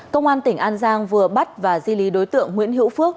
công an tỉnh an giang vừa bắt và di lý đối tượng nguyễn hữu phước